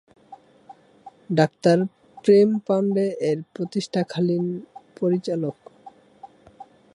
Doctor Prem Pandey এর প্রতিষ্ঠাকালীন পরিচালক।